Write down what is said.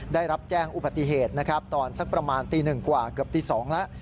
ได้รับแจ้งอุบัติเหตุนะครับตอนสักประมาณตีหนึ่งกว่าเกือบตี๒แล้ว